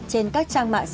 trên các trang mạng